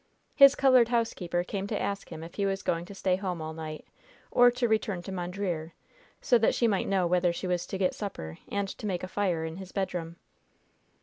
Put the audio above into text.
His colored housekeeper came to ask him if he was going to stay home all night, or to return to Mondreer, so that she might know whether she was to get supper, and to make a fire in his bedroom.